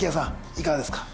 いかがですか？